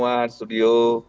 selamat malam studio